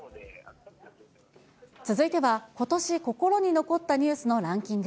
続いては、ことし心に残ったニュースのランキング。